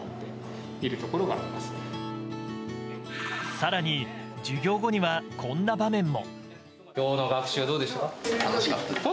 更に授業後には、こんな場面も。